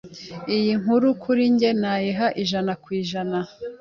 Iyi nkuru kuri njye nayiha ijana kw’ijana